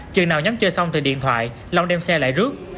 chừng nào nhóm chơi xong từ điện thoại long đem xe lại rước